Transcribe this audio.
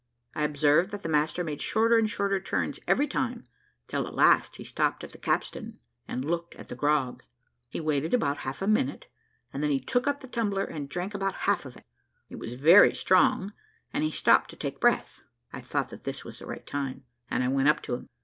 I observed that the master made shorter and shorter turns every time, till at last he stopped at the capstan and looked at the grog. He waited about half a minute, and then he took up the tumbler, and drank about half of it. It was very strong, and he stopped to take breath. I thought that this was the right time, and I went up to him.